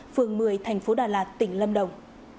phường một mươi thành phố đà lạt tỉnh lâm đồng